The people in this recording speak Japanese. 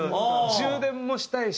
充電もしたいし。